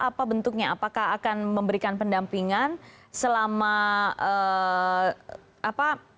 apa bentuknya apakah akan memberikan pendampingan selama pidana nya